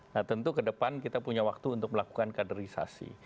nah tentu ke depan kita punya waktu untuk melakukan kaderisasi